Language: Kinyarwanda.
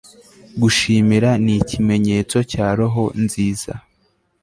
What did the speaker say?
gushimira ni ikimenyetso cya roho nziza